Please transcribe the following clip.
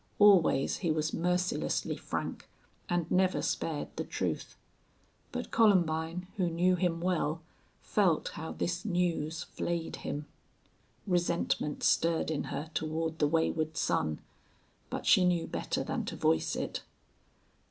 Always he was mercilessly frank and never spared the truth. But Columbine, who knew him well, felt how this news flayed him. Resentment stirred in her toward the wayward son, but she knew better than to voice it.